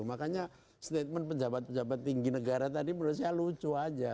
makanya statement pejabat pejabat tinggi negara tadi menurut saya lucu aja